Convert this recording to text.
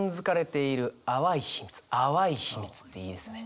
「淡い秘密」っていいですね。